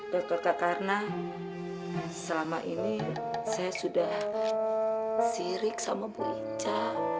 dokter kak karena selama ini saya sudah sirik sama bu ica